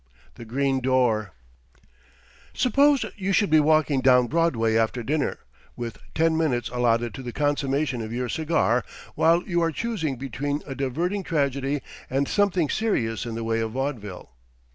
THE GREEN DOOR Suppose you should be walking down Broadway after dinner, with ten minutes allotted to the consummation of your cigar while you are choosing between a diverting tragedy and something serious in the way of vaudeville.